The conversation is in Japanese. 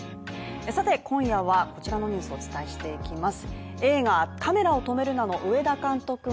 さて今夜は、こちらのニュースをお伝えしていきます